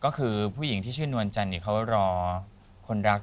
ก็คือผู้หญิงที่ชื่อนวลจันทร์เขารอคนรัก